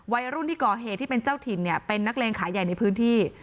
วัยรุ่นที่ก่อเหตุที่เป็นเจ้าถิ่นเนี่ยเป็นนักเลงขายใหญ่ในพื้นที่